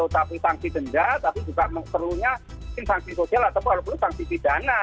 tidak tapi juga perlunya sanksi sosial atau walaupun sanksi pidana